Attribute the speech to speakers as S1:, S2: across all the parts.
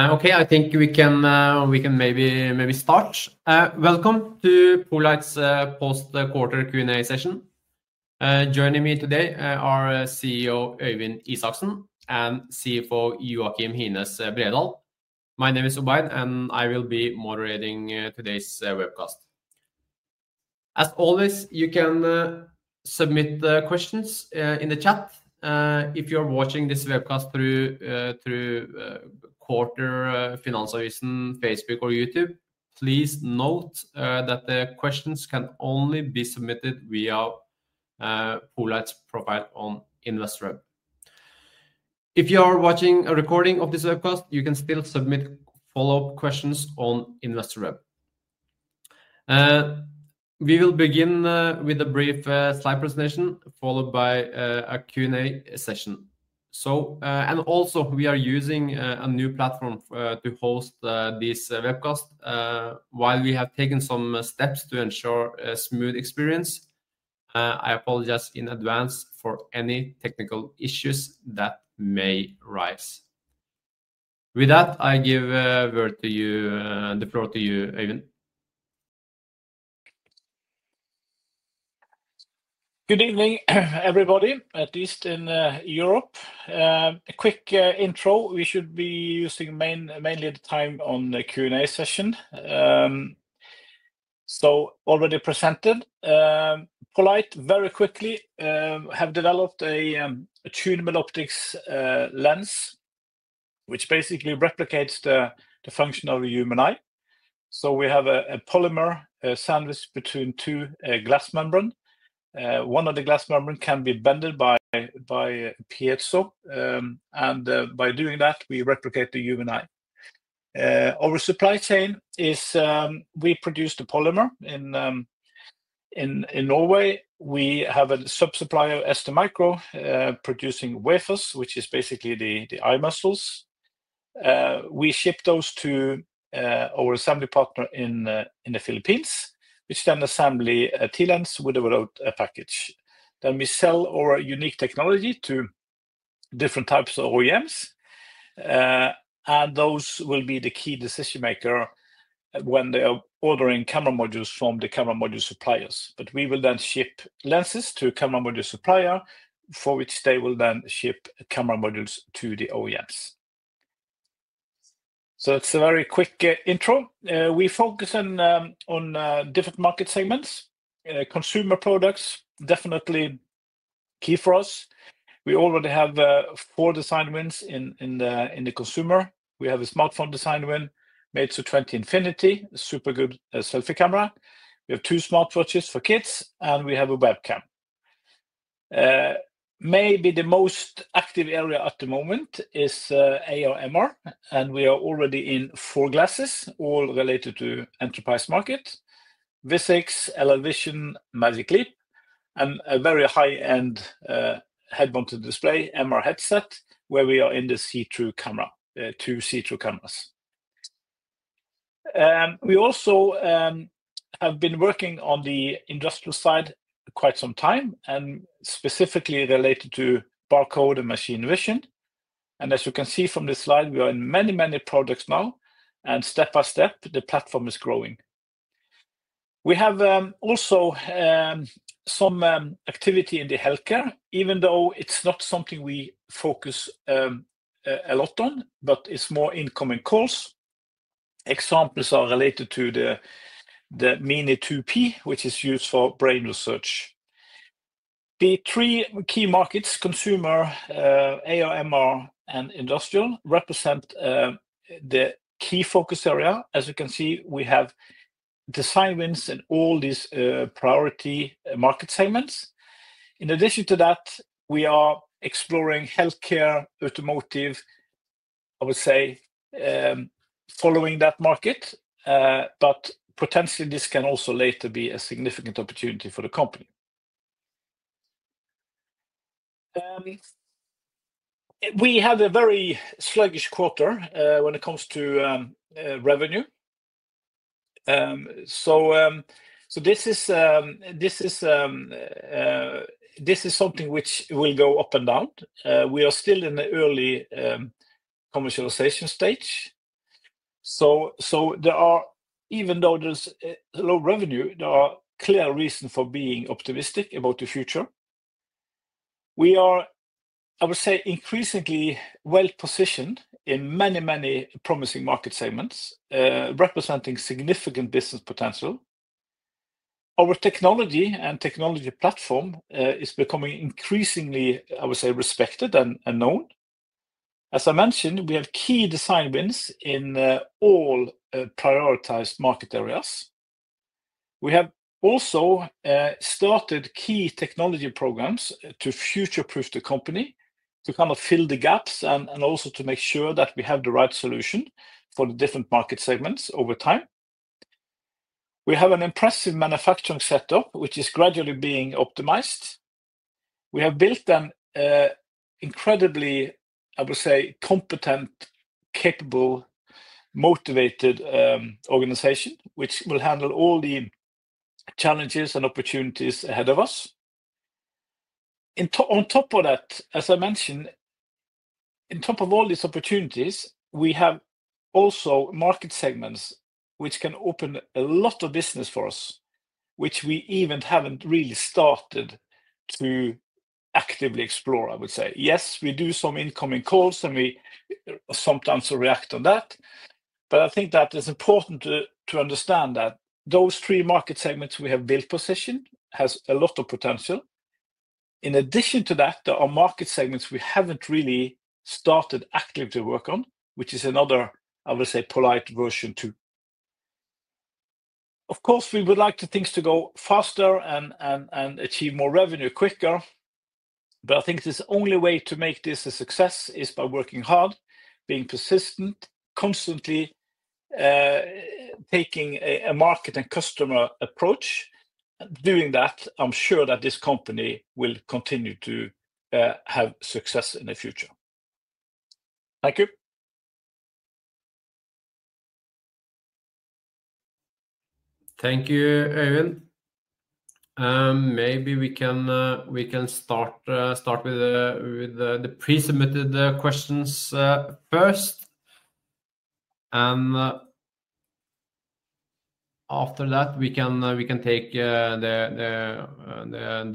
S1: Okay, I think we can maybe start. Welcome to poLight's post-quarter Q&A session. Joining me today are CEO Øyvind Isaksen and CFO Joakim Hines Bredahl. My name is Ubayd, and I will be moderating today's webcast. As always, you can submit questions in the chat. If you're watching this webcast through Quartr, Finansavisen, Facebook, or YouTube, please note that the questions can only be submitted via poLight's profile on InvestorWeb. If you are watching a recording of this webcast, you can still submit follow-up questions on InvestorWeb. We will begin with a brief slide presentation followed by a Q&A session. And also, we are using a new platform to host this webcast. While we have taken some steps to ensure a smooth experience, I apologize in advance for any technical issues that may arise. With that, I give the floor to you, Øyvind.
S2: Good evening, everybody, at least in Europe. A quick intro. We should be using mainly the time on the Q&A session, so already presented, poLight very quickly have developed a tunable optics lens, which basically replicates the function of a human eye, so we have a polymer sandwich between two glass membranes. One of the glass membranes can be bent by piezo, and by doing that, we replicate the human eye. Our supply chain is we produce the polymer. In Norway, we have a subsupplier, STMicroelectronics, producing wafers, which is basically the eye muscles. We ship those to our assembly partner in the Philippines, which then assembles TLens with or without a package. Then we sell our unique technology to different types of OEMs, and those will be the key decision-makers when they are ordering camera modules from the camera module suppliers. But we will then ship lenses to the camera module supplier, for which they will then ship camera modules to the OEMs. So that's a very quick intro. We focus on different market segments. Consumer products, definitely key for us. We already have four design wins in the consumer. We have a smartphone design win Meizu 20 Infinity, a super good selfie camera. We have two smartwatches for kids, and we have a webcam. Maybe the most active area at the moment is AR/MR, and we are already in four glasses, all related to the enterprise market: Vuzix, LLVision, Magic Leap, and a very high-end head-mounted display, MR headset, where we are in the see-through camera, two see-through cameras. We also have been working on the industrial side quite some time, and specifically related to barcode and machine vision. As you can see from this slide, we are in many, many products now. Step by step, the platform is growing. We have also some activity in the healthcare, even though it's not something we focus a lot on, but it's more incoming calls. Examples are related to the Mini2P, which is used for brain research. The three key markets, consumer, AR/MR, and industrial, represent the key focus area. As you can see, we have design wins in all these priority market segments. In addition to that, we are exploring healthcare, automotive, I would say, following that market. Potentially, this can also later be a significant opportunity for the company. We have a very sluggish quarter when it comes to revenue. This is something which will go up and down. We are still in the early commercialization stage. So even though there's low revenue, there are clear reasons for being optimistic about the future. We are, I would say, increasingly well positioned in many, many promising market segments, representing significant business potential. Our technology and technology platform is becoming increasingly, I would say, respected and known. As I mentioned, we have key design wins in all prioritized market areas. We have also started key technology programs to future-proof the company, to kind of fill the gaps, and also to make sure that we have the right solution for the different market segments over time. We have an impressive manufacturing setup, which is gradually being optimized. We have built an incredibly, I would say, competent, capable, motivated organization, which will handle all the challenges and opportunities ahead of us. On top of that, as I mentioned, on top of all these opportunities, we have also market segments which can open a lot of business for us, which we even haven't really started to actively explore, I would say. Yes, we do some incoming calls, and we sometimes react on that. But I think that it's important to understand that those three market segments we have built position has a lot of potential. In addition to that, there are market segments we haven't really started actively to work on, which is another, I would say, poLight version 2. Of course, we would like things to go faster and achieve more revenue quicker. But I think the only way to make this a success is by working hard, being persistent, constantly taking a market and customer approach. Doing that, I'm sure that this company will continue to have success in the future. Thank you. Thank you, Øyvind. Maybe we can start with the pre-submitted questions first. And after that, we can take the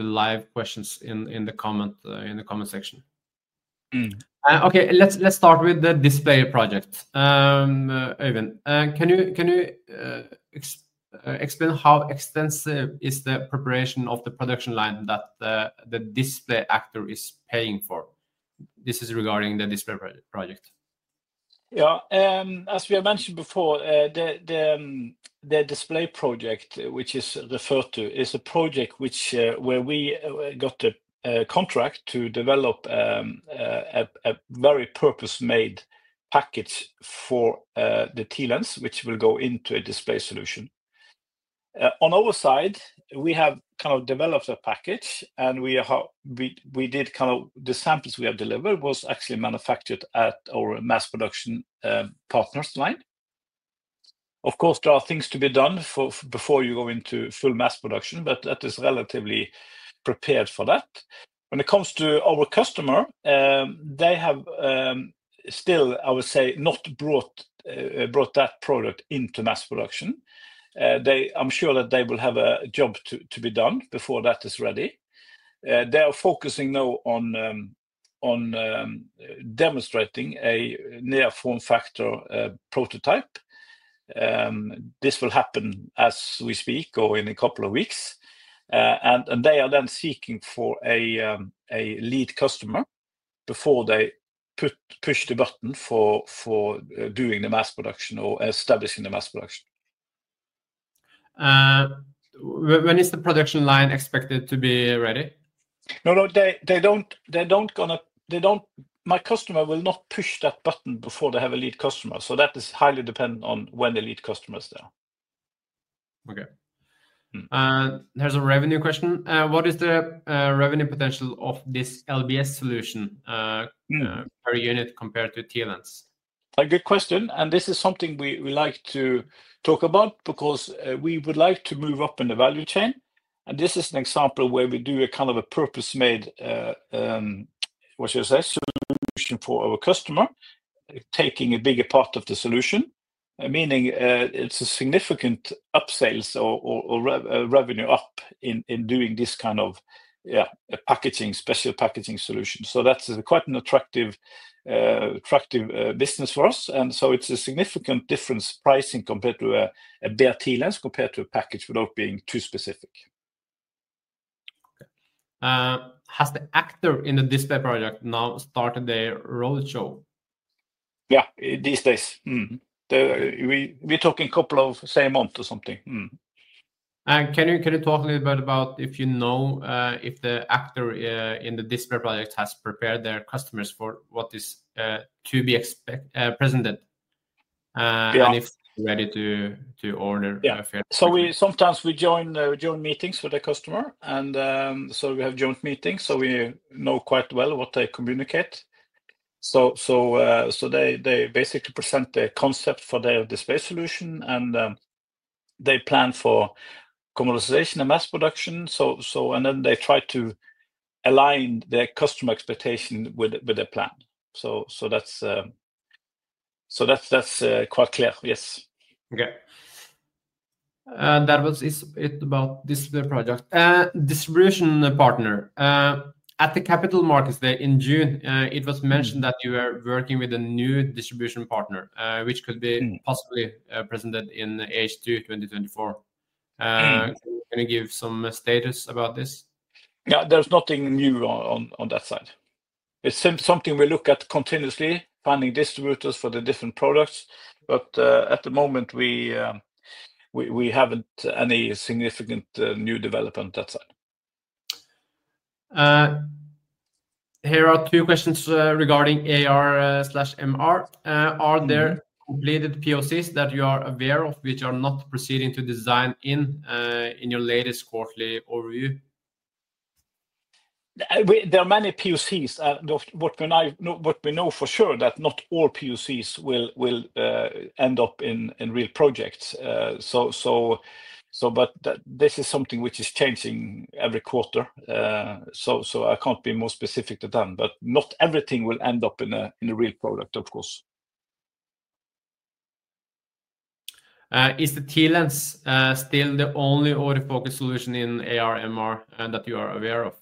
S2: live questions in the comment section. Okay, let's start with the display project. Øyvind, can you explain how extensive is the preparation of the production line that the display actor is paying for? This is regarding the display project. Yeah, as we have mentioned before, the display project, which is referred to, is a project where we got a contract to develop a very purpose-made package for the TLens, which will go into a display solution. On our side, we have kind of developed a package, and the samples we have delivered were actually manufactured at our mass production partner's line. Of course, there are things to be done before you go into full mass production, but that is relatively prepared for that. When it comes to our customer, they have still, I would say, not brought that product into mass production. I'm sure that they will have a job to be done before that is ready. They are focusing now on demonstrating a near-form factor prototype. This will happen as we speak or in a couple of weeks. They are then seeking for a lead customer before they push the button for doing the mass production or establishing the mass production. When is the production line expected to be ready? No, no, they're not going to. My customer will not push that button before they have a lead customer. So that is highly dependent on when the lead customer is there. Okay. There's a revenue question. What is the revenue potential of this LBS solution per unit compared to TLens? A good question. This is something we like to talk about because we would like to move up in the value chain. This is an example where we do a kind of a purpose-made, what should I say, solution for our customer, taking a bigger part of the solution, meaning it's a significant upsales or revenue up in doing this kind of packaging, special packaging solution. So that's quite an attractive business for us. So it's a significant difference pricing compared to a bare TLens compared to a package without being too specific. Has the adopter in the display project now started their roadshow? Yeah, these days. We're talking a couple of, say, a month or something. Can you talk a little bit about if you know if the actor in the display project has prepared their customers for what is to be presented and if they're ready to order? Yeah. So sometimes we join meetings with the customer. And so we have joint meetings. So we know quite well what they communicate. So they basically present the concept for their display solution, and they plan for commercialization and mass production. And then they try to align their customer expectation with their plan. So that's quite clear, yes. Okay. That was it about the display project. Distribution partner. At the capital markets in June, it was mentioned that you are working with a new distribution partner, which could be possibly presented in H2 2024. Can you give some status about this? Yeah, there's nothing new on that side. It's something we look at continuously, finding distributors for the different products. But at the moment, we haven't any significant new development on that side. Here are two questions regarding AR/MR. Are there completed POCs that you are aware of which are not proceeding to design in your latest quarterly overview? There are many POCs. What we know for sure, that not all POCs will end up in real projects. But this is something which is changing every quarter. So I can't be more specific to them. But not everything will end up in a real product, of course. Is the TLens still the only autofocus solution in AR/MR that you are aware of?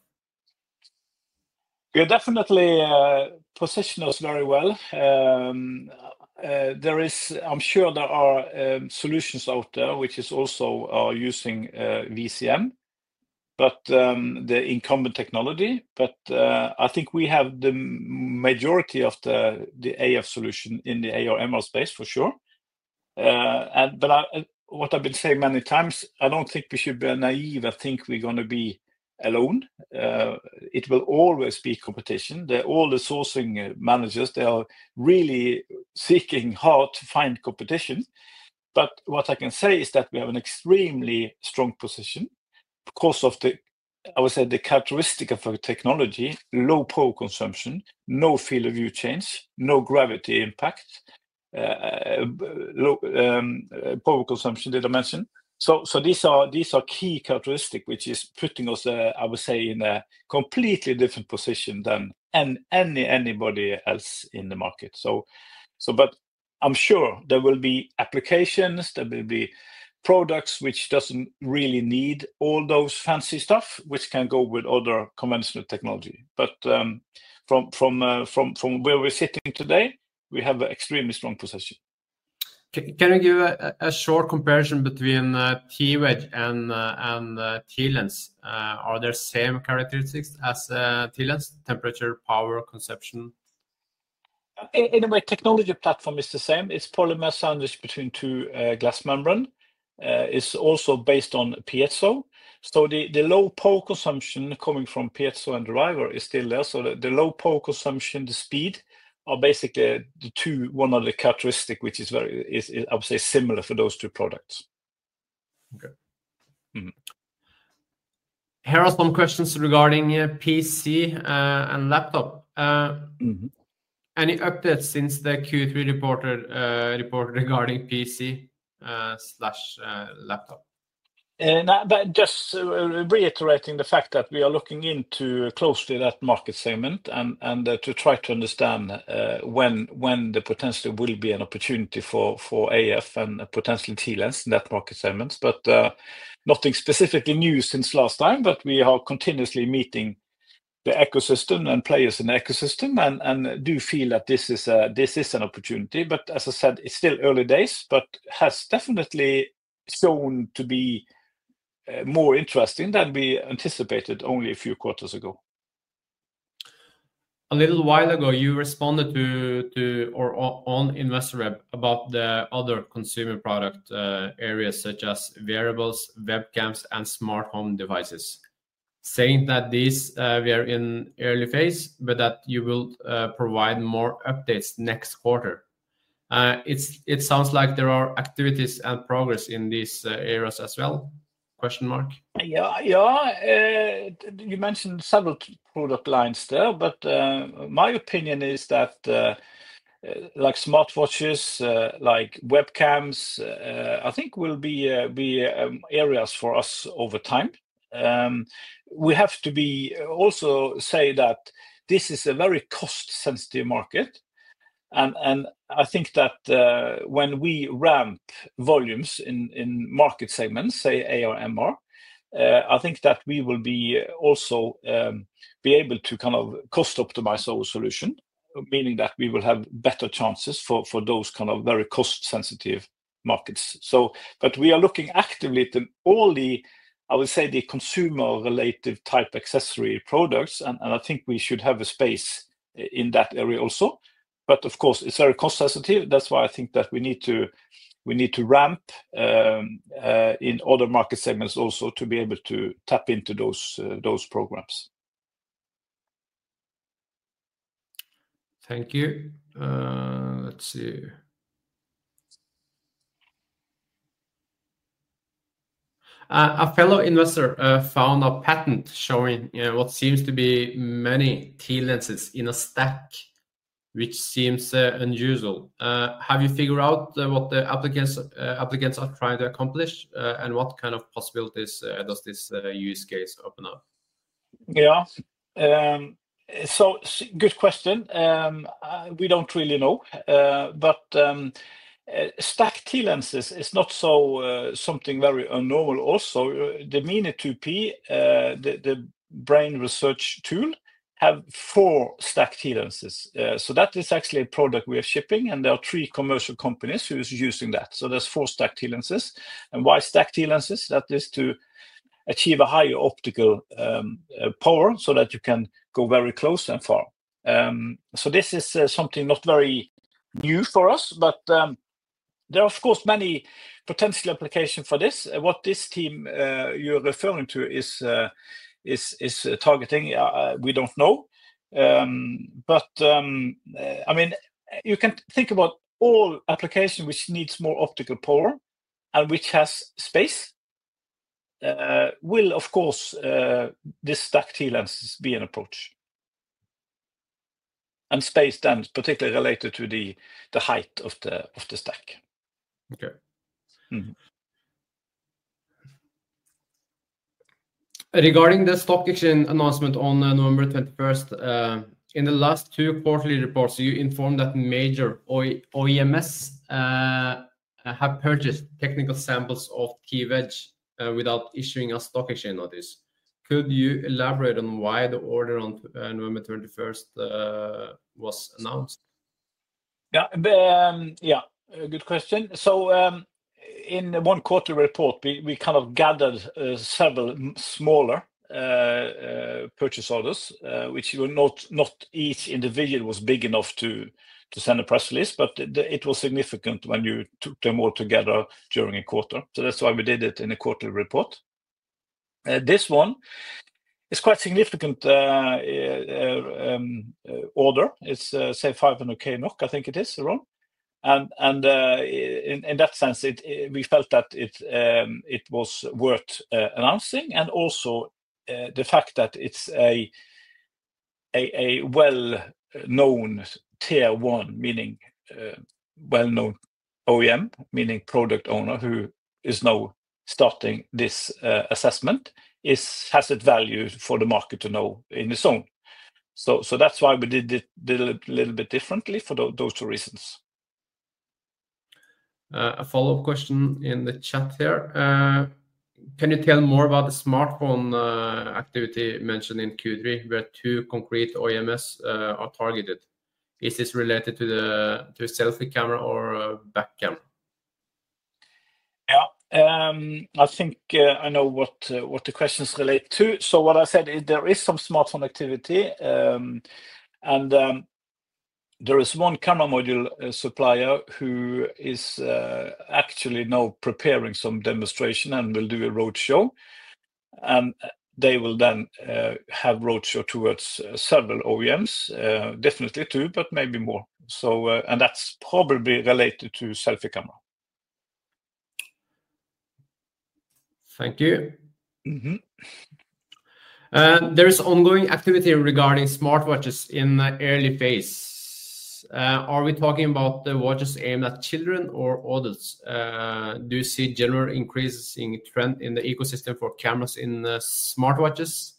S2: Yeah, definitely positioned us very well. I'm sure there are solutions out there which also are using VCM, but the incumbent technology. But I think we have the majority of the AF solution in the AR/MR space, for sure. But what I've been saying many times, I don't think we should be naive and think we're going to be alone. It will always be competition. All the sourcing managers, they are really seeking hard to find competition. But what I can say is that we have an extremely strong position because of, I would say, the characteristic of our technology, low power consumption, no field of view change, no gravity impact, low power consumption that I mentioned. So these are key characteristics, which is putting us, I would say, in a completely different position than anybody else in the market. But I'm sure there will be applications, there will be products which don't really need all those fancy stuff, which can go with other conventional technology. But from where we're sitting today, we have an extremely strong position. Can you give a short comparison between TWedge and TLens? Are there same characteristics as TLens? Temperature, power, conception? In a way, technology platform is the same. It's polymer sandwiched between two glass membranes. It's also based on piezo. So the low power consumption coming from piezo and the reliability is still there. So the low power consumption, the speed, are basically one of the characteristics which is, I would say, similar for those two products. Okay. Here are some questions regarding PC and laptop. Any updates since the Q3 report regarding PC/laptop? Just reiterating the fact that we are looking into closely that market segment and to try to understand when there potentially will be an opportunity for AF and potentially TLens in that market segment. But nothing specifically new since last time, but we are continuously meeting the ecosystem and players in the ecosystem and do feel that this is an opportunity. But as I said, it's still early days, but has definitely shown to be more interesting than we anticipated only a few quarters ago. A little while ago, you responded to our own investor rep about the other consumer product areas such as wearables, webcams, and smart home devices, saying that these were in early phase, but that you will provide more updates next quarter. It sounds like there are activities and progress in these areas as well? Yeah, yeah. You mentioned several product lines there, but my opinion is that smartwatches, like webcams, I think will be areas for us over time. We have to also say that this is a very cost-sensitive market and I think that when we ramp volumes in market segments, say AR/MR, I think that we will also be able to kind of cost-optimize our solution, meaning that we will have better chances for those kind of very cost-sensitive markets but we are looking actively at all the, I would say, the consumer-related type accessory products and I think we should have a space in that area also but of course, it's very cost-sensitive. That's why I think that we need to ramp in other market segments also to be able to tap into those programs. Thank you. Let's see. A fellow investor found a patent showing what seems to be many TLens in a stack, which seems unusual. Have you figured out what the applicants are trying to accomplish and what kind of possibilities does this use case open up? Yeah, so good question. We don't really know, but stacked TLenses is not something very uncommon also. The Mini2P, the brain research tool, has four stacked TLenses, so that is actually a product we are shipping, and there are three commercial companies who are using that, so there's four stacked TLenses, and why stacked TLenses? That is to achieve a higher optical power so that you can go very close and far, so this is something not very new for us, but there are, of course, many potential applications for this. What this team you're referring to is targeting, we don't know, but I mean, you can think about all applications which need more optical power and which have space. Well, of course, these stacked TLenses be an approach? And space, then particularly related to the height of the stack. Okay. Regarding the stock exchange announcement on November 21st, in the last two quarterly reports, you informed that major OEMs have purchased technical samples of TWedge without issuing a stock exchange notice. Could you elaborate on why the order on November 21st was announced? Yeah, yeah. Good question. So in the one-quarter report, we kind of gathered several smaller purchase orders, which not each individual was big enough to send a press release, but it was significant when you took them all together during a quarter. So that's why we did it in a quarterly report. This one is quite a significant order. It's, say, 500,000 NOK, I think it is, around. And in that sense, we felt that it was worth announcing. And also the fact that it's a well-known tier one, meaning well-known OEM, meaning product owner who is now starting this assessment, has a value for the market to know in its own. So that's why we did it a little bit differently for those two reasons. A follow-up question in the chat here. Can you tell more about the smartphone activity mentioned in Q3 where two concrete OEMs are targeted? Is this related to a selfie camera or a back camera? Yeah. I think I know what the questions relate to, so what I said is there is some smartphone activity, and there is one camera module supplier who is actually now preparing some demonstration and will do a roadshow, and they will then have a roadshow towards several OEMs, definitely two, but maybe more, and that's probably related to selfie camera. Thank you. There is ongoing activity regarding smartwatches in the early phase. Are we talking about the watches aimed at children or adults? Do you see general increases in trend in the ecosystem for cameras in smartwatches?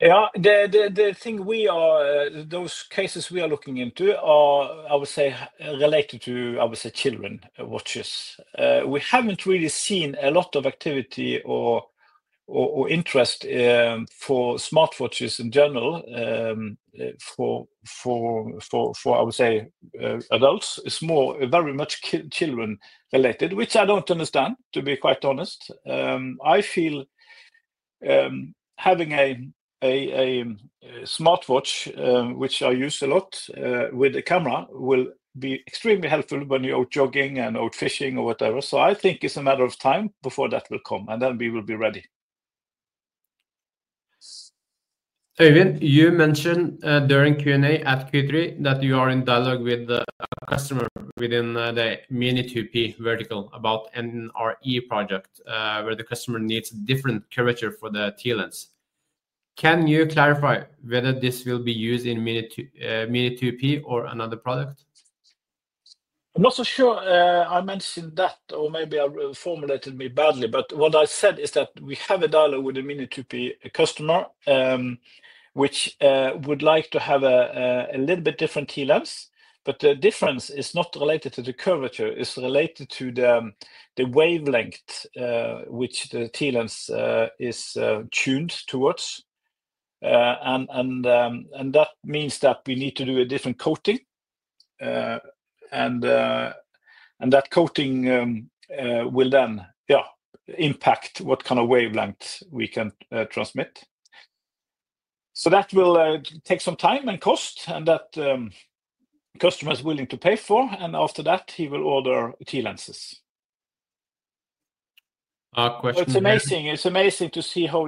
S2: Yeah. The thing we are, those cases we are looking into are, I would say, related to, I would say, children's watches. We haven't really seen a lot of activity or interest for smartwatches in general for, I would say, adults. It's very much children-related, which I don't understand, to be quite honest. I feel having a smartwatch, which I use a lot with a camera, will be extremely helpful when you're out jogging and out fishing or whatever. So I think it's a matter of time before that will come, and then we will be ready. Øyvind, you mentioned during Q&A at Q3 that you are in dialogue with a customer within the Mini2P vertical about an RE project where the customer needs a different curvature for the TLens. Can you clarify whether this will be used in Mini2P or another product? I'm not so sure I mentioned that, or maybe I formulated myself badly. But what I said is that we have a dialogue with a Mini2P customer which would like to have a little bit different TLens. But the difference is not related to the curvature. It's related to the wavelength which the TLens is tuned towards. And that means that we need to do a different coating. And that coating will then, yeah, impact what kind of wavelength we can transmit. So that will take some time and cost, and that customer is willing to pay for. And after that, he will order TLenses. Question here. It's amazing. It's amazing to see how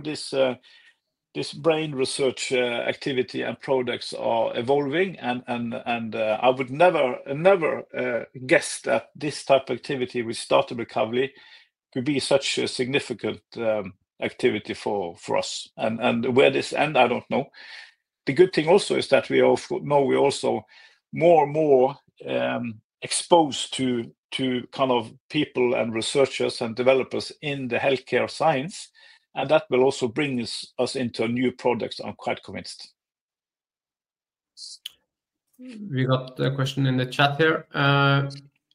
S2: this brain research activity and products are evolving. And I would never guess that this type of activity, we started recovery, could be such a significant activity for us. And where this ends, I don't know. The good thing also is that we know we're also more and more exposed to kind of people and researchers and developers in the healthcare science. And that will also bring us into new products, I'm quite convinced. We got a question in the chat here.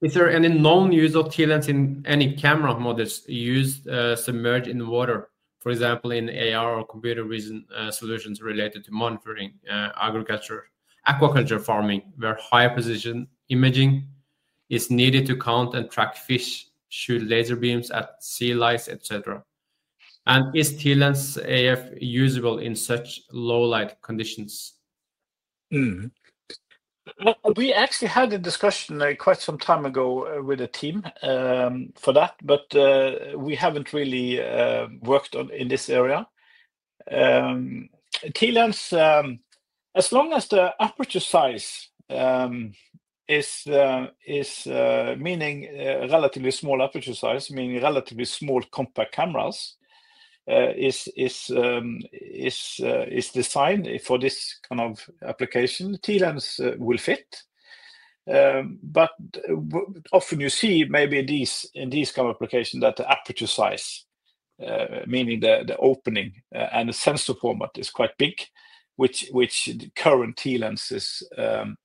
S2: Is there any known use of TLens in any camera models used submerged in water, for example, in AR or computer vision solutions related to monitoring agriculture, aquaculture, farming, where high-position imaging is needed to count and track fish, shoot laser beams at sea lice, etc.? And is TLens AF usable in such low-light conditions? We actually had a discussion quite some time ago with a team for that, but we haven't really worked in this area. TLens, as long as the aperture size is, meaning relatively small aperture size, meaning relatively small compact cameras, is designed for this kind of application. TLens will fit. But often you see maybe in these kind of applications that the aperture size, meaning the opening and the sensor format, is quite big, which current TLenses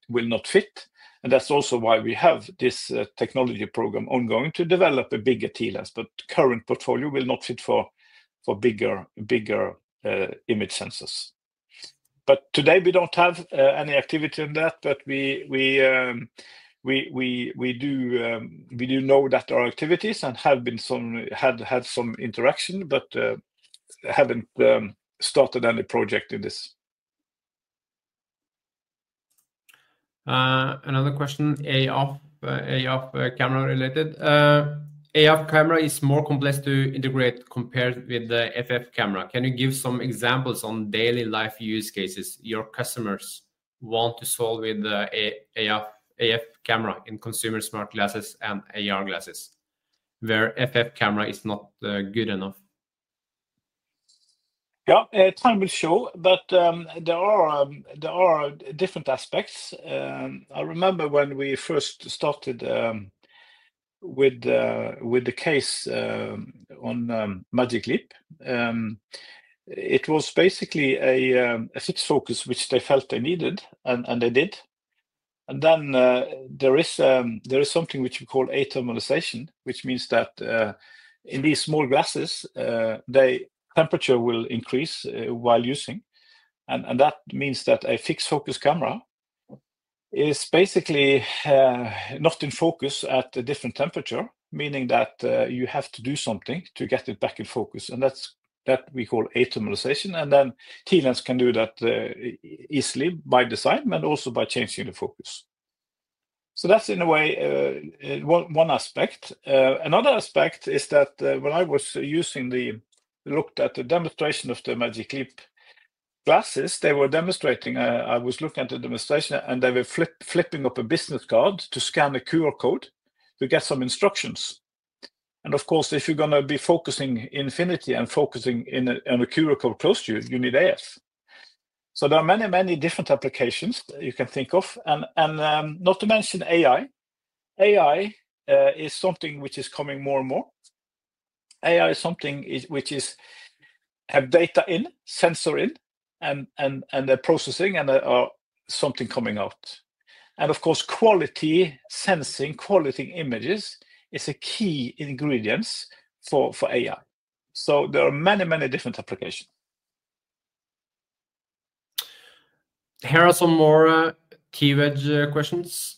S2: will not fit. And that's also why we have this technology program ongoing to develop a bigger TLens. But current portfolio will not fit for bigger image sensors. But today, we don't have any activity on that. But we do know that there are activities and have had some interaction, but haven't started any project in this. Another question, AF camera related. AF camera is more complex to integrate compared with the FF camera. Can you give some examples on daily life use cases your customers want to solve with the AF camera in consumer smart glasses and AR glasses where FF camera is not good enough? Yeah, time will show. But there are different aspects. I remember when we first started with the case on Magic Leap, it was basically a fixed focus, which they felt they needed, and they did. And then there is something which we call athermalization, which means that in these small glasses, the temperature will increase while using. And that means that a fixed focus camera is basically not in focus at a different temperature, meaning that you have to do something to get it back in focus. And that's what we call athermalization. And then TLens can do that easily by design, but also by changing the focus. So that's, in a way, one aspect. Another aspect is that when I looked at the demonstration of the Magic Leap glasses, they were demonstrating, and they were flipping up a business card to scan a QR code to get some instructions. And of course, if you're going to be focusing infinity and focusing on a QR code close to you, you need AF. So there are many, many different applications you can think of. And not to mention AI. AI is something which is coming more and more. AI is something which is have data in, sensor in, and they're processing, and there are something coming out. And of course, quality sensing, quality images is a key ingredient for AI. So there are many, many different applications. Here are some more TWedge questions.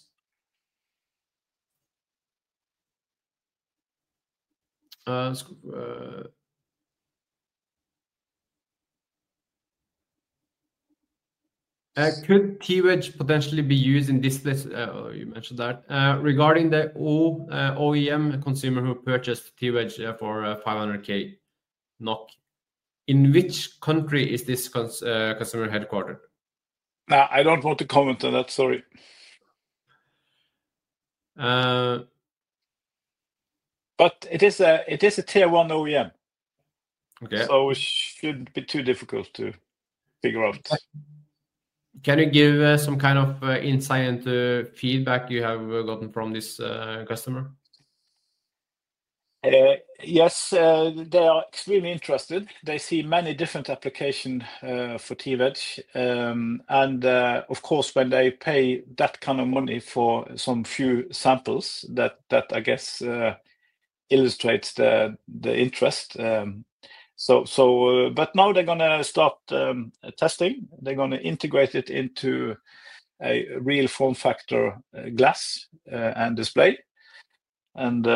S2: Could TWedge potentially be used in displays? You mentioned that. Regarding the OEM consumer who purchased TWedge for 500K NOK, in which country is this customer headquartered? I don't want to comment on that, sorry. But it is a tier one OEM. So it shouldn't be too difficult to figure out. Can you give some kind of insight into feedback you have gotten from this customer? Yes. They are extremely interested. They see many different applications for TWedge. And of course, when they pay that kind of money for some few samples, that, I guess, illustrates the interest. But now they're going to start testing. They're going to integrate it into a real form factor glass and display. And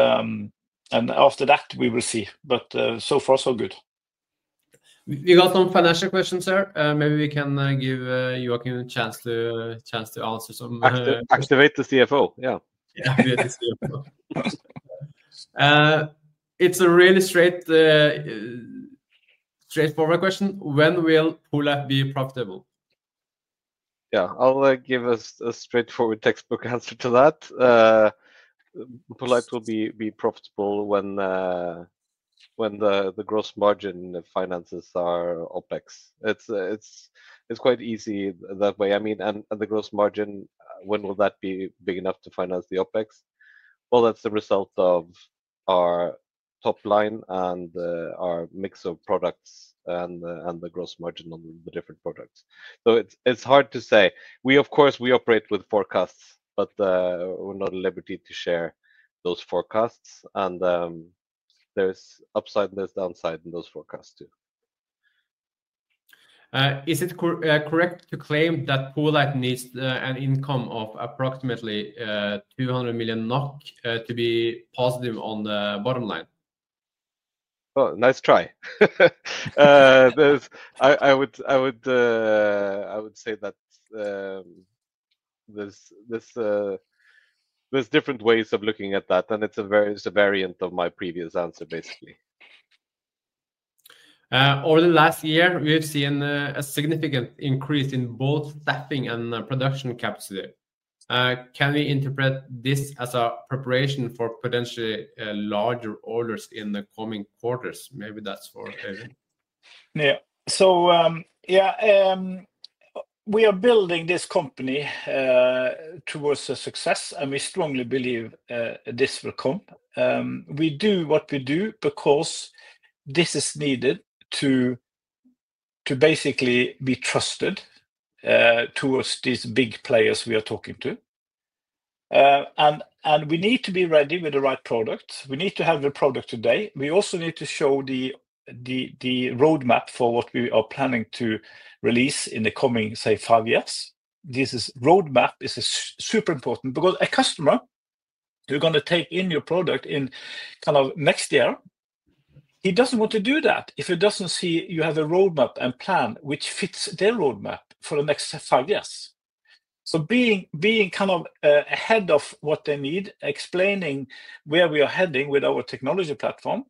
S2: after that, we will see. But so far, so good. We got some financial questions, sir. Maybe we can give Joakim a chance to answer some. Activate the CFO, yeah. Activate the CFO. It's a really straightforward question. When will poLight be profitable?
S3: Yeah, I'll give a straightforward textbook answer to that. poLight will be profitable when the gross margin finances are OpEx. It's quite easy that way. I mean, and the gross margin, when will that be big enough to finance the OpEx? Well, that's the result of our top line and our mix of products and the gross margin on the different products. So it's hard to say. We, of course, we operate with forecasts, but we're not liberated to share those forecasts. And there's upside and there's downside in those forecasts too. Is it correct to claim that poLight needs an income of approximately 200 million NOK to be positive on the bottom line? Well, nice try. I would say that there's different ways of looking at that. And it's a variant of my previous answer, basically. Over the last year, we have seen a significant increase in both staffing and production capacity. Can we interpret this as a preparation for potentially larger orders in the coming quarters? Maybe that's for Øyvind.
S2: Yeah. So yeah, we are building this company towards the success, and we strongly believe this will come. We do what we do because this is needed to basically be trusted towards these big players we are talking to. And we need to be ready with the right products. We need to have the product today. We also need to show the roadmap for what we are planning to release in the coming, say, five years. This roadmap is super important because a customer who's going to take in your product in kind of next year, he doesn't want to do that if he doesn't see you have a roadmap and plan which fits their roadmap for the next five years. So being kind of ahead of what they need, explaining where we are heading with our technology platform,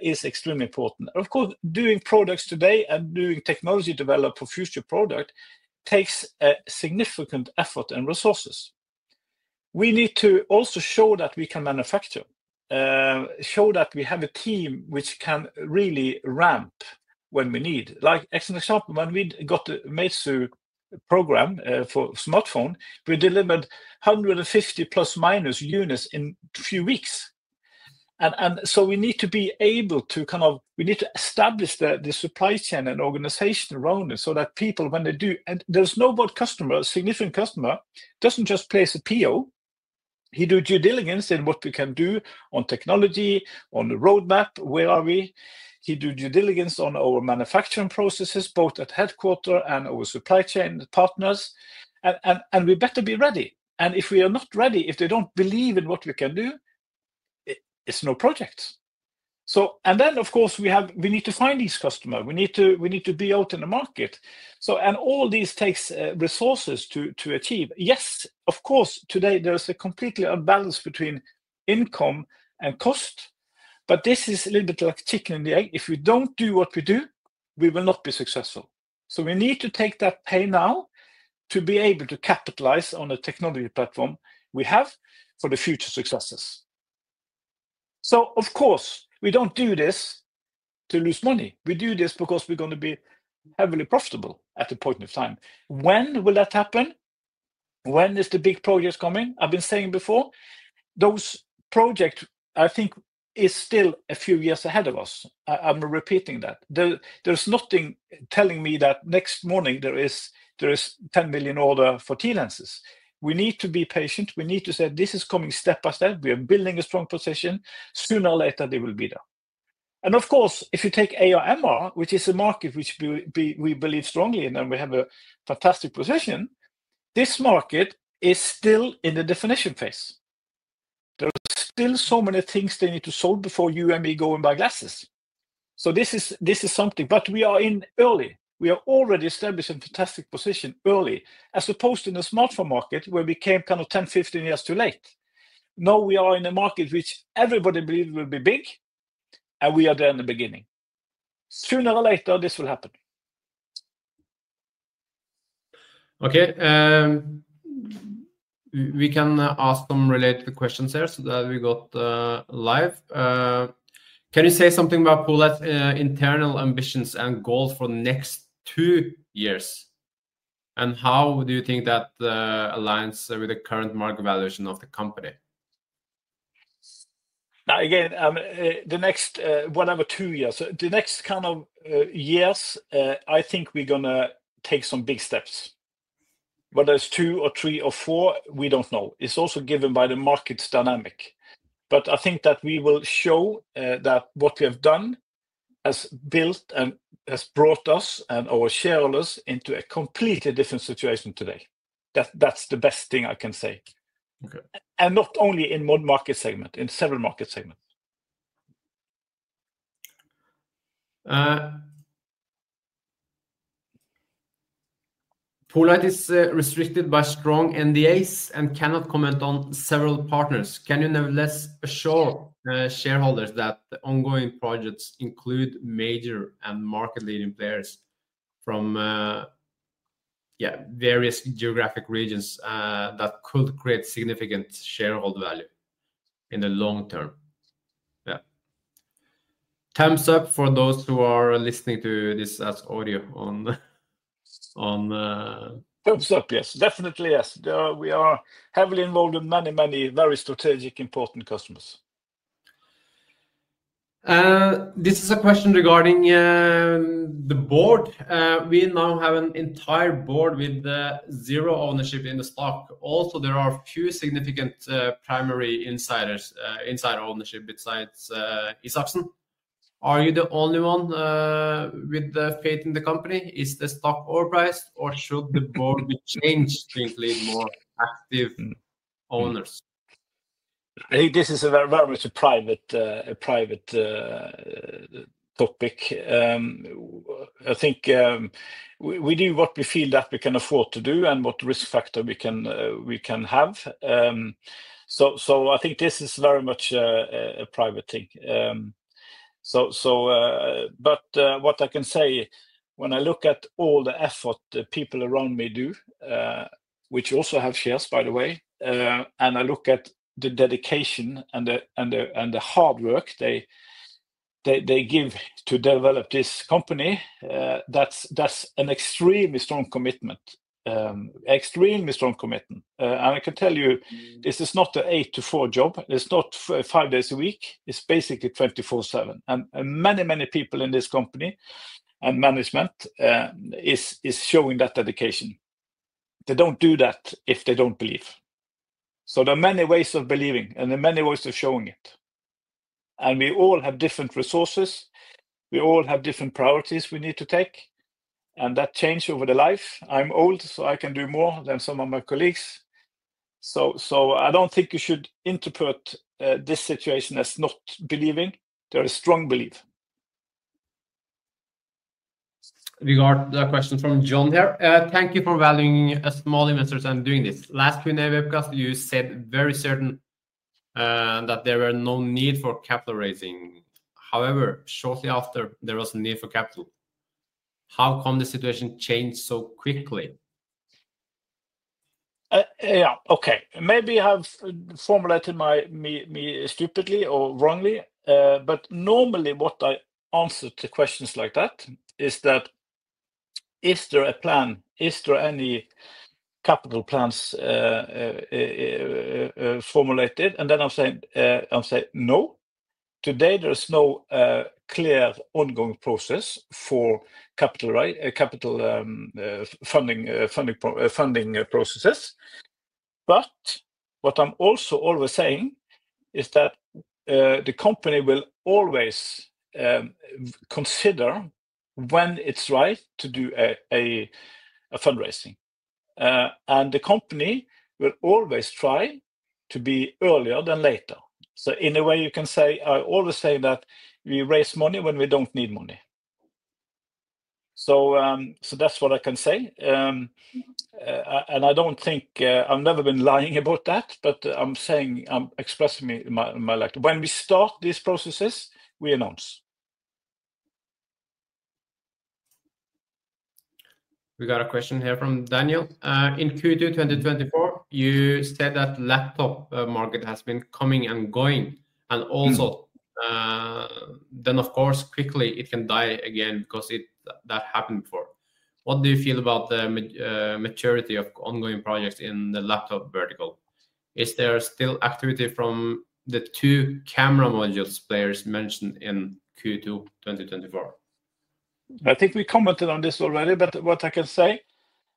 S2: is extremely important. Of course, doing products today and doing technology developed for future product takes significant effort and resources. We need to also show that we can manufacture, show that we have a team which can really ramp when we need. Like an example, when we got the Meizu program for smartphone, we delivered 150 plus minus units in a few weeks. And so we need to be able to kind of, we need to establish the supply chain and organization around it so that people, when they do, and there's no bad customer, significant customer doesn't just place a PO. He does due diligence in what we can do on technology, on the roadmap, where are we. He does due diligence on our manufacturing processes, both at headquarters and our supply chain partners. And we better be ready. And if we are not ready, if they don't believe in what we can do, it's no project. And then, of course, we need to find these customers. We need to be out in the market. And all these take resources to achieve. Yes, of course, today, there is a complete imbalance between income and cost. But this is a little bit like chicken and the egg. If we don't do what we do, we will not be successful. So we need to take that pain now to be able to capitalize on the technology platform we have for the future successes. So of course, we don't do this to lose money. We do this because we're going to be heavily profitable at a point in time. When will that happen? When is the big project coming? I've been saying before, those projects, I think, are still a few years ahead of us. I'm repeating that. There's nothing telling me that next morning, there is a 10 million order for TLens. We need to be patient. We need to say, this is coming step by step. We are building a strong position. Sooner or later, they will be there. And of course, if you take AR, MR, which is a market which we believe strongly in, and we have a fantastic position, this market is still in the definition phase. There are still so many things they need to solve before you and me go and buy glasses. So this is something. But we are in early. We are already established in a fantastic position early, as opposed to the smartphone market where we came kind of 10, 15 years too late. Now we are in a market which everybody believes will be big, and we are there in the beginning. Sooner or later, this will happen. Okay. We can ask some related questions here so that we got live. Can you say something about poLight's internal ambitions and goals for the next two years? And how do you think that aligns with the current market valuation of the company? Again, the next whatever two years, the next kind of years, I think we're going to take some big steps. Whether it's two or three or four, we don't know. It's also given by the market dynamic. But I think that we will show that what we have done has built and has brought us and our shareholders into a completely different situation today. That's the best thing I can say. And not only in one market segment, in several market segments. poLight is restricted by strong NDAs and cannot comment on several partners. Can you nevertheless assure shareholders that ongoing projects include major and market-leading players from various geographic regions that could create significant shareholder value in the long term? Yeah. Thumbs up for those who are listening to this as audio on. Thumbs up, yes. Definitely, yes. We are heavily involved in many, many very strategic, important customers. This is a question regarding the board. We now have an entire board with zero ownership in the stock. Also, there are a few significant primary insider ownership inside Isaksen. Are you the only one with the faith in the company? Is the stock overpriced, or should the board be changed to include more active owners? I think this is a very much a private topic. I think we do what we feel that we can afford to do and what risk factor we can have. So I think this is very much a private thing. But what I can say, when I look at all the effort the people around me do, which also have shares, by the way, and I look at the dedication and the hard work they give to develop this company, that's an extremely strong commitment, extremely strong commitment. And I can tell you, this is not an eight to four job. It's not five days a week. It's basically 24/7. And many, many people in this company and management is showing that dedication. They don't do that if they don't believe. So there are many ways of believing and there are many ways of showing it. We all have different resources. We all have different priorities we need to take. That changes over the life. I'm old, so I can do more than some of my colleagues. I don't think you should interpret this situation as not believing. There is strong belief. We got a question from John here. Thank you for valuing small investors and doing this. Last Q&A webcast, you said very certain that there were no need for capital raising. However, shortly after, there was a need for capital. How come the situation changed so quickly? Yeah, okay. Maybe I have formulated me stupidly or wrongly. But normally, what I answer to questions like that is that, is there a plan? Is there any capital plans formulated? And then I'll say, no. Today, there is no clear ongoing process for capital funding processes. But what I'm also always saying is that the company will always consider when it's right to do a fundraising. And the company will always try to be earlier than later. So in a way, you can say, I always say that we raise money when we don't need money. So that's what I can say. And I don't think I've never been lying about that, but I'm expressing my like. When we start these processes, we announce. We got a question here from Daniel. In Q2 2024, you said that the laptop market has been coming and going, and also, then, of course, quickly, it can die again because that happened before. What do you feel about the maturity of ongoing projects in the laptop vertical? Is there still activity from the two camera modules players mentioned in Q2 2024? I think we commented on this already, but what I can say,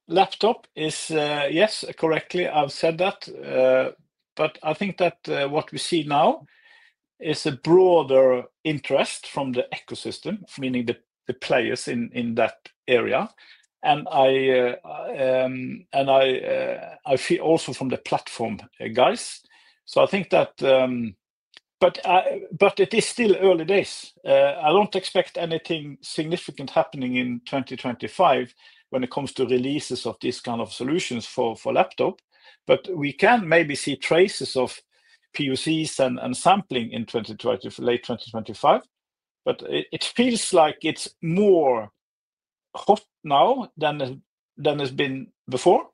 S2: laptop is, yes, correctly, I've said that. But I think that what we see now is a broader interest from the ecosystem, meaning the players in that area. And I feel also from the platform guys. So I think that, but it is still early days. I don't expect anything significant happening in 2025 when it comes to releases of these kind of solutions for laptop. But we can maybe see traces of PoCs and sampling in late 2025. But it feels like it's more hot now than it's been before.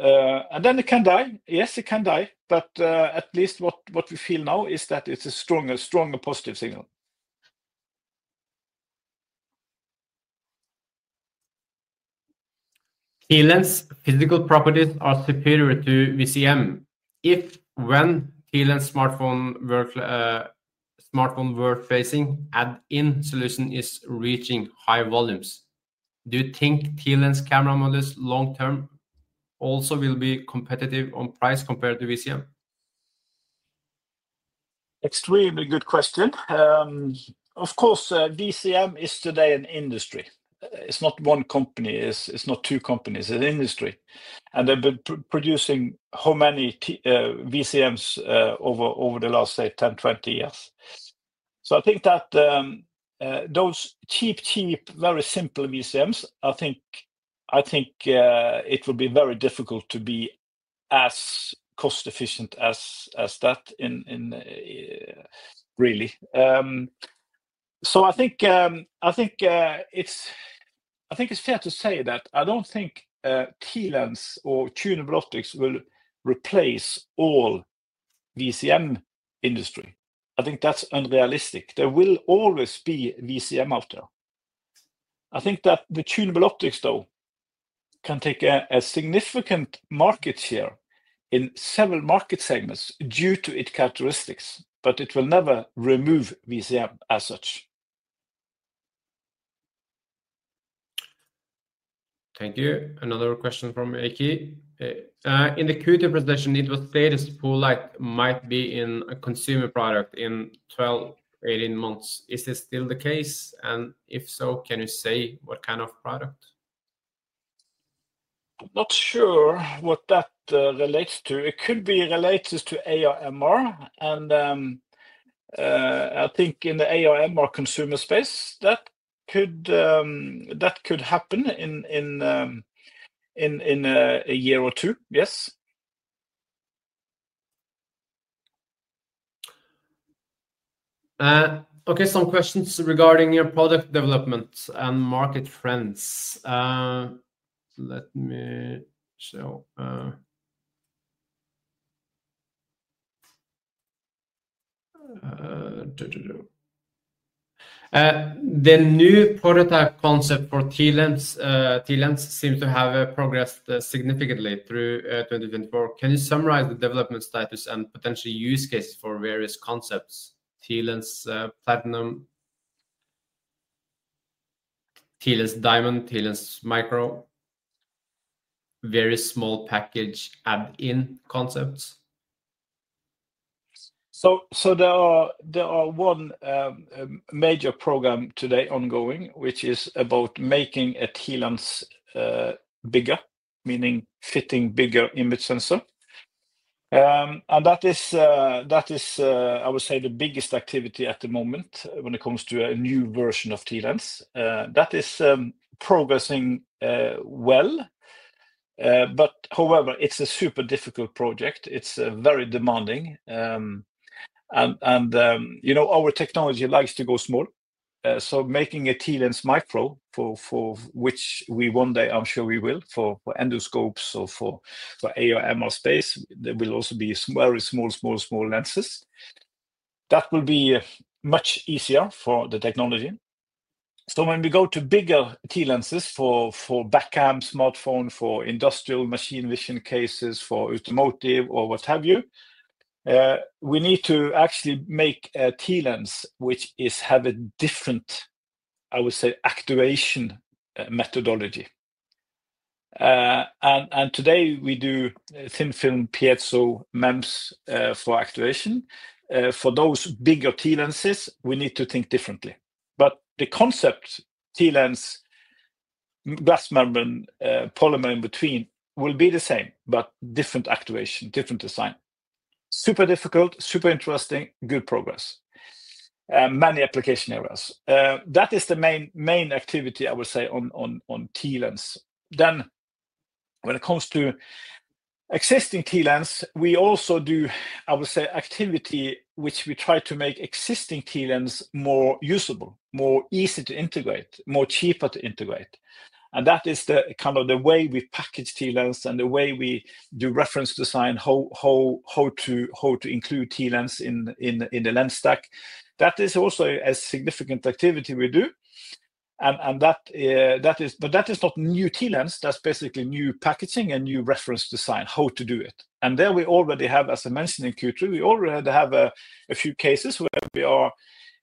S2: And then it can die. Yes, it can die. But at least what we feel now is that it's a stronger positive signal. TLens physical properties are superior to VCM. If when TLens smartphone world facing add-in solution is reaching high volumes, do you think TLens camera models long term also will be competitive on price compared to VCM? Extremely good question. Of course, VCM is today an industry. It's not one company. It's not two companies. It's an industry. And they've been producing how many VCMs over the last, say, 10, 20 years. So I think that those cheap, cheap, very simple VCMs, I think it will be very difficult to be as cost-efficient as that really. So I think it's fair to say that I don't think TLens or tunable optics will replace all VCM industry. I think that's unrealistic. There will always be VCM out there. I think that the tunable optics, though, can take a significant market share in several market segments due to its characteristics, but it will never remove VCM as such. Thank you. Another question from Eki. In the Q2 presentation, it was stated poLight might be in a consumer product in 12, 18 months. Is this still the case? And if so, can you say what kind of product? I'm not sure what that relates to. It could be related to AR, MR, and I think in the AR, MR consumer space, that could happen in a year or two, yes. Okay, some questions regarding your product development and market trends. Let me show. The new prototype concept for TLens seems to have progressed significantly through 2024. Can you summarize the development status and potential use cases for various concepts? TLens, Platinum, TLens Diamond, TLens Micro, various small package add-in concepts. So there is one major program today ongoing, which is about making a TLens bigger, meaning fitting bigger image sensor. And that is, I would say, the biggest activity at the moment when it comes to a new version of TLens. That is progressing well. But however, it is a super difficult project. It is very demanding. And our technology likes to go small. So making a TLens micro, for which we one day, I am sure we will, for endoscopes or for AR, MR space, there will also be very small, small, small lenses. That will be much easier for the technology. So when we go to bigger TLenses for backcam, smartphone, for industrial machine vision cases, for automotive or what have you, we need to actually make a TLens which has a different, I would say, activation methodology. And today, we do thin film, Piezo, MEMS for activation. For those bigger TLenses, we need to think differently. But the concept TLens, glass membrane, polymer in between will be the same, but different activation, different design. Super difficult, super interesting, good progress. Many application areas. That is the main activity, I would say, on TLens. Then when it comes to existing TLens, we also do, I would say, activity which we try to make existing TLens more usable, more easy to integrate, more cheaper to integrate. And that is the kind of the way we package TLens and the way we do reference design, how to include TLens in the lens stack. That is also a significant activity we do. But that is not new TLens. That's basically new packaging and new reference design, how to do it. There we already have, as I mentioned in Q2, we already have a few cases where we are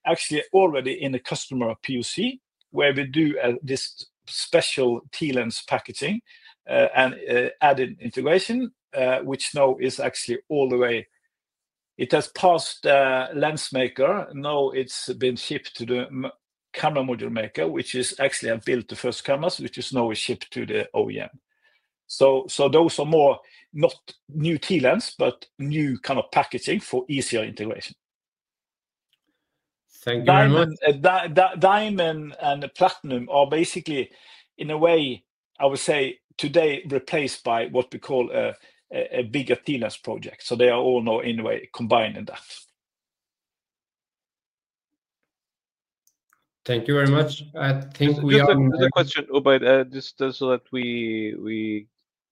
S2: actually already in a customer PoC where we do this special TLens packaging and add-in integration, which now is actually all the way. It has passed lens maker. Now it's been shipped to the camera module maker, which is actually built the first cameras, which is now shipped to the OEM. So those are more not new TLens, but new kind of packaging for easier integration. Thank you very much. Diamond and Platinum are basically, in a way, I would say, today replaced by what we call a bigger TLens project. So they are all now, in a way, combining that.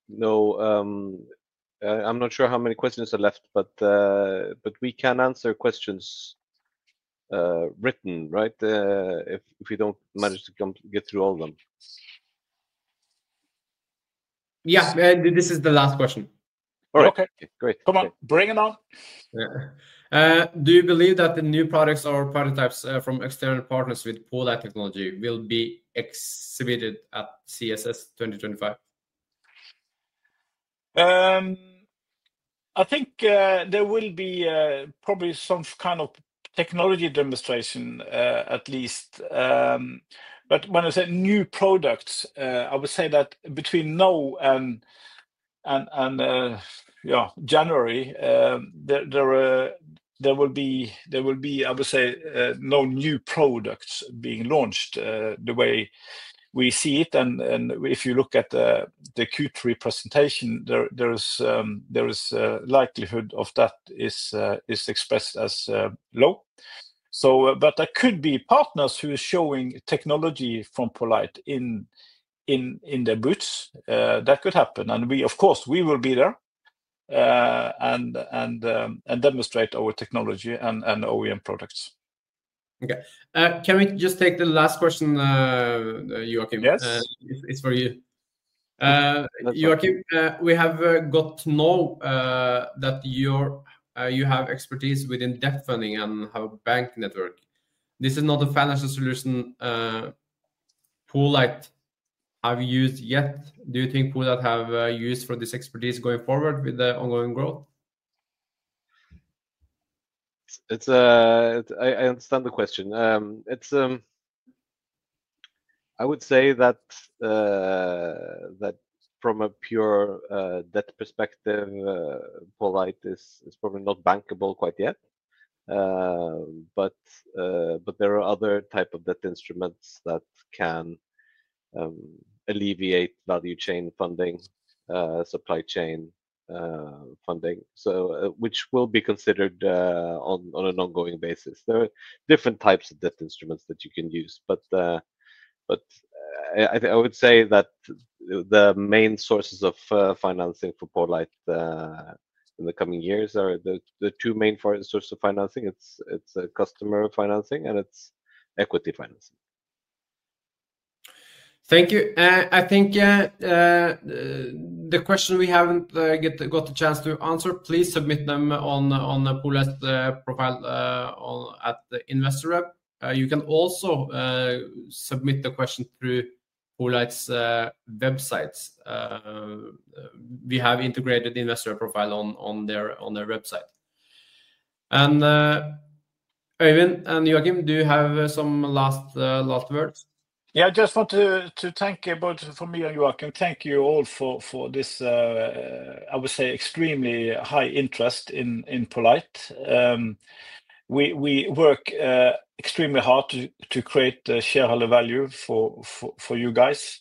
S2: Thank you very much. I think we are.
S3: Just another question, Ubayd, just so that we know. I'm not sure how many questions are left, but we can answer questions written, right, if we don't manage to get through all of them. Yeah, this is the last question. All right.
S2: Okay.
S3: Great.
S2: Come on. Bring it on. Do you believe that the new products or prototypes from external partners with poLight technology will be exhibited at CES 2025? I think there will be probably some kind of technology demonstration, at least, but when I say new products, I would say that between now and January, there will be, I would say, no new products being launched the way we see it, and if you look at the Q3 presentation, there is a likelihood of that is expressed as low, but there could be partners who are showing technology from poLight in their booths. That could happen, and we, of course, we will be there and demonstrate our technology and OEM products. Okay. Can we just take the last question, Joakim? Yes. It's for you. Joakim, we have got to know that you have expertise within debt funding and have a bank network. This is not a financial solution poLight have used yet. Do you think poLight have used for this expertise going forward with the ongoing growth?
S3: I understand the question. I would say that from a pure debt perspective, poLight is probably not bankable quite yet. But there are other types of debt instruments that can alleviate value chain funding, supply chain funding, which will be considered on an ongoing basis. There are different types of debt instruments that you can use. But I would say that the main sources of financing for poLight in the coming years are the two main sources of financing. It's customer financing and it's equity financing. Thank you. I think the question we haven't got the chance to answer, please submit them on PoLight's profile at the InvestorWeb. You can also submit the question through PoLight's website. We have integrated the investor profile on their website. And Øyvind and Joakim, do you have some last words?
S2: Yeah, I just want to thank you both for me and Joakim. Thank you all for this, I would say, extremely high interest in poLight. We work extremely hard to create shareholder value for you guys,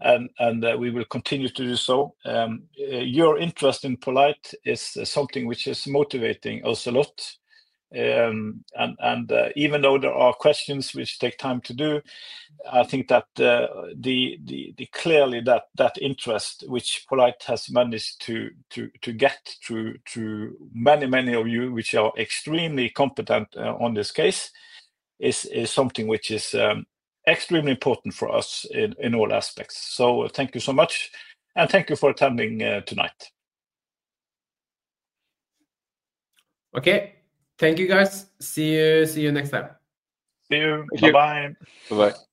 S2: and we will continue to do so. Your interest in poLight is something which is motivating us a lot, and even though there are questions which take time to do, I think that clearly that interest which poLight has managed to get through many, many of you, which are extremely competent on this case, is something which is extremely important for us in all aspects, so thank you so much, and thank you for attending tonight. Okay. Thank you, guys. See you next time. See you.
S3: Bye.
S2: Bye-bye.